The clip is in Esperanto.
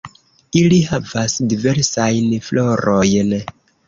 Ili havas diversajn florojn.